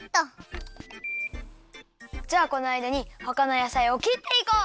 じゃあこのあいだにほかのやさいを切っていこう！